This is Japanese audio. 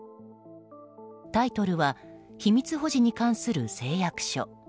タイトルは秘密保持に関する誓約書。